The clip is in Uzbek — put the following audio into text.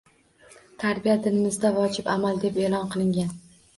Tarbiya dinimizda vojib amal, deb e'lon qilingan